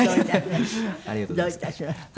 どういたしまして。